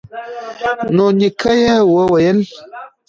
نو نیکه یې وویل